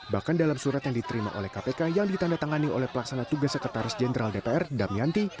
bahkan dalam surat yang diterima oleh kpk yang ditandatangani oleh pelaksana tugas sekretaris jenderal dpr damianti